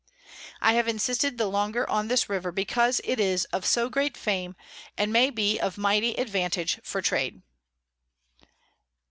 I have insisted the longer on this River, because it is of so great Fame, and may be of mighty Advantage for Trade.